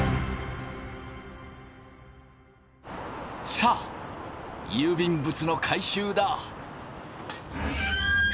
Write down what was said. さあ郵便物の回収だ！